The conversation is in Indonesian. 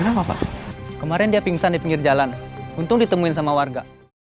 apa kemarin dia pingsan di pinggir jalan untuk ditemui sama warga